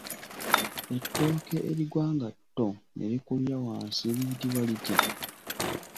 Ettooke erigwa nga tto ne likulira wansi liyitibwa litya?